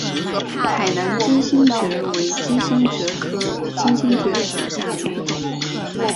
海南金星蕨为金星蕨科金星蕨属下的一个种。